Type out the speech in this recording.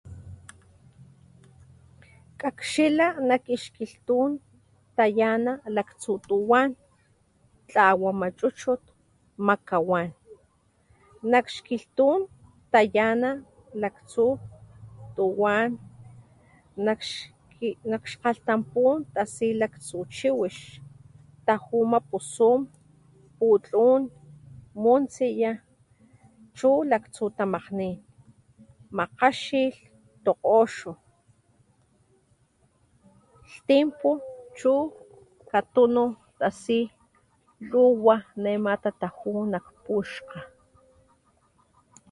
Kakxilá nak ixkilhtun tayana laktsu tuwan, tlawama chuchut, makawan, nak xkilhtun tayana laktsu tuwan nak xkgalhtampun tasi laktsu chiwix, tajuma pusum, putlun, muntsiya, chu laktsu tamakgnín, makgaxilh, tokgoxo, lhtimpu chu katunu tasi luwa nema tataju nak puxkga.